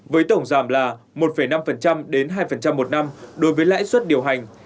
với tổng giảm là một năm đến hai một năm đối với lãi suất điều hành